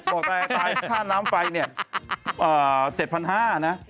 บอกตายค่าน้ำไฟเนี่ย๗๕๐๐นะ